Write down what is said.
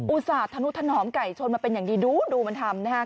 อุตส่าหนุถนอมไก่ชนมาเป็นอย่างดีดูดูมันทำนะครับ